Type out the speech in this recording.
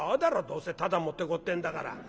どうせただ持ってこうってんだから」。